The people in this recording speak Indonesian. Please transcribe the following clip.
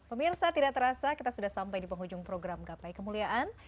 pemirsa tidak terasa kita sudah sampai di penghujung program gapai kemuliaan